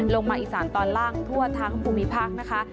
มาอีสานตอนล่างทั่วทั้งภูมิภาคนะคะ